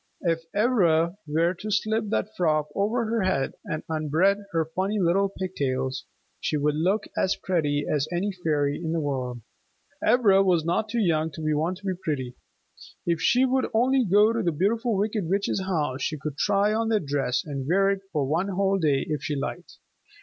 If Ivra were to slip that frock over her head, and unbraid her funny little pigtails, she would look as pretty as any fairy in the world. Ivra was not too young to want to be pretty. If she would only go to the Beautiful Wicked Witch's house, she could try on that dress, and wear it for one whole day if she liked.